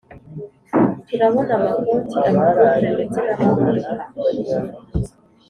turabona amakoti ama couples ndetse n’amamodoka